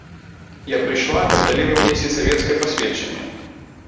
Я прыйшла, каб далі вы мне сельсавецкае пасведчанне.